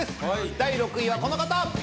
第６位はこの方。